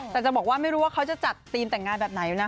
แต่จะบอกว่าไม่รู้ว่าเขาจะจัดทีมแต่งงานแบบไหนนะ